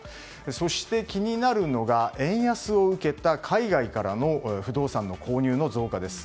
そして気になるのが円安を受けた海外からの不動産の購入の増加です。